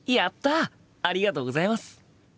ありがとうございます。